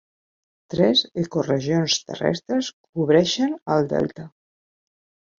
Tres ecoregions terrestres cobreixen el delta.